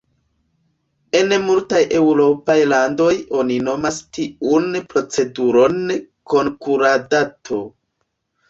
En multaj eŭropaj landoj oni nomas tiun proceduron konkordato.